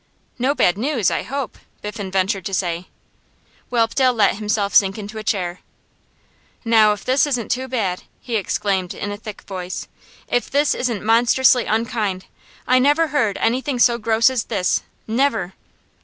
'No bad news, I hope?' Biffen ventured to say. Whelpdale let himself sink into a chair. 'Now if this isn't too bad!' he exclaimed in a thick voice. 'If this isn't monstrously unkind! I never heard anything so gross as this never!